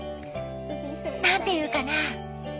何て言うかな。